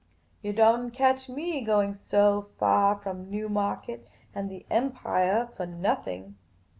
Yah don't catch me going away so fall from New market and the Empire for nothing."